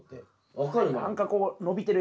分かる？